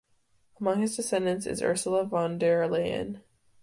Among his descendants is Ursula von der Leyen.